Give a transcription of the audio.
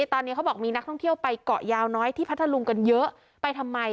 ตอนนี้เขาบอกมีนักท่องเที่ยวไปเกาะยาวน้อยที่พัทธลุงกันเยอะไปทำไม